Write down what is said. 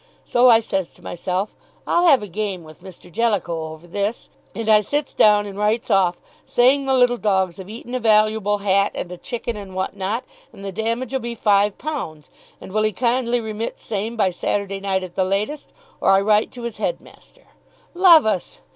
So I says to myself, 'I'll have a game with Mr. Jellicoe over this,' and I sits down and writes off saying the little dogs have eaten a valuable hat and a chicken and what not, and the damage'll be five pounds, and will he kindly remit same by Saturday night at the latest or I write to his headmaster. Love us!"